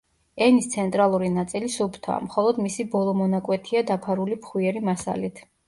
ენის ცენტრალური ნაწილი სუფთაა, მხოლოდ მისი ბოლო მონაკვეთია დაფარული ფხვიერი მასალით.